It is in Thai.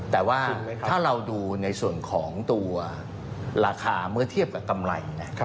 แต่ว่าถ้าเราดูในส่วนของตัวราคาเมื่อเทียบกับกำไร